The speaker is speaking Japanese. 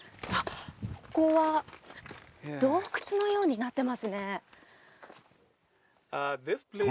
ここは洞窟のようになってますね